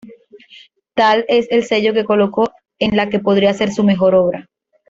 Tal es el sello que colocó en la que podría ser su mejor obra.